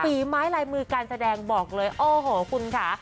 ฝีไม้ลายมือการแสดงบอกเลยโอ้โหคุณค่ะ